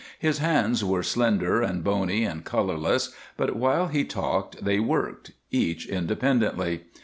His hands were slender and bony and colorless, but while he talked they worked, each independently.